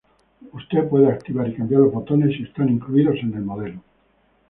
Usted puede activar y cambiar los botones si están incluidos en el modelo.